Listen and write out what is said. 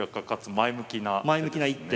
前向きな一手。